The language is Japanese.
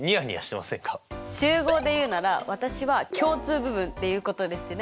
集合で言うなら私は共通部分っていうことですね。